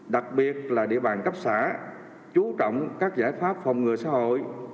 đặc biệt là địa bàn cấp xã chú trọng các giải pháp phòng ngừa xã hội